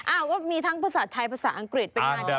อ้าวก็มีทั้งภาษาไทยภาษาอังกฤษเป็นงานที่ต้อนรับ